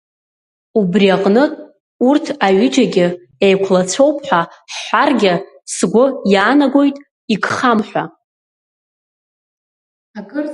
Убри аҟнытә урҭ аҩыџьагьы еиқәлацәоуп ҳәа ҳҳәаргьы сгәы иаанагоит игхам ҳәа.